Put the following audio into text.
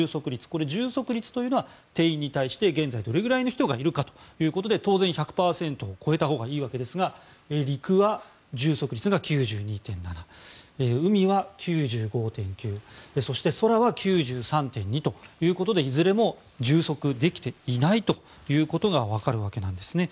これ、充足率というのは定員に対して現在、どれぐらいの人がいるかということで当然、１００％を超えたほうがいいわけですが陸は充足率が９２．７％海は９５．９％そして空は９３．２％ということでいずれも充足できていないということがわかるわけなんです。